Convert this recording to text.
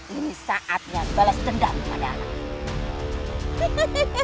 ini saatnya balas dendam pada anak